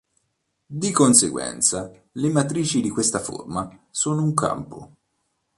Di conseguenza, le matrici di questa forma sono un campo.